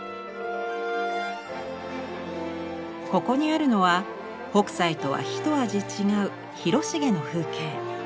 ここにあるのは北斎とは一味違う広重の風景。